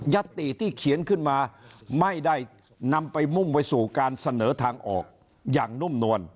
ติที่เขียนขึ้นมาไม่ได้นำไปมุ่งไปสู่การเสนอทางออกอย่างนุ่มนวล